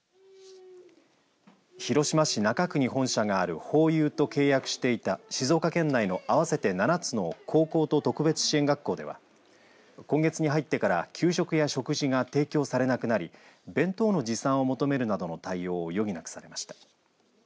広島市中区に本社があるホーユーと契約していた静岡県内の合わせて７つの高校と特別支援学校では今月に入ってから給食や食事が提供されなくなり弁当の持参を求めるなどの対応を余儀なくされました。